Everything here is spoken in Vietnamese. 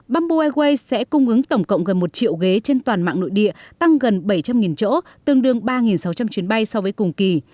bamboo airways sẽ cung ứng tổng cộng gần một triệu ghế trên toàn mạng nội địa tăng gần bảy trăm linh chỗ tương đương ba sáu trăm linh chuyến bay so với cùng kỳ